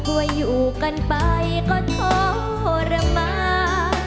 ว่าอยู่กันไปก็ทรมาน